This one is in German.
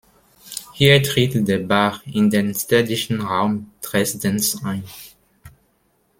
Hier tritt der Bach in den städtischen Raum Dresdens ein.